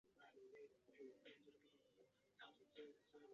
锯齿沙参为桔梗科沙参属的植物。